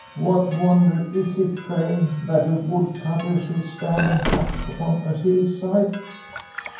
"What wonder is it, pray, that a woodcutter should stand and hack up on a hill side?"